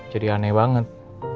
jadi aneh banget